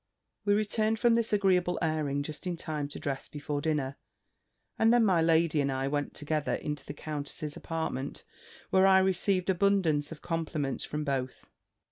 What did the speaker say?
We returned from this agreeable airing just in time to dress before dinner, and then my lady and I went together into the countess's apartment, where I received abundance of compliments from both.